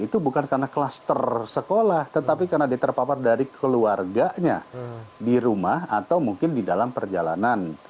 itu bukan karena klaster sekolah tetapi karena dia terpapar dari keluarganya di rumah atau mungkin di dalam perjalanan